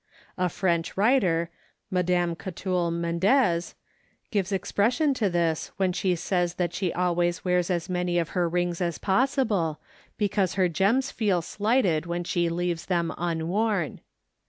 A French writer, Mme. Catulle Mendès, gives expression to this when she says that she always wears as many of her rings as possible, because her gems feel slighted when she leaves them unworn.